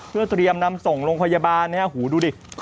เพื่อเตรียมนำส่งลงพยาบาล